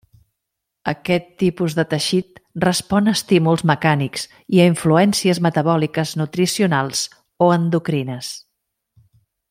Aquest tipus de teixit respon a estímuls mecànics i a influències metabòliques nutricionals o endocrines.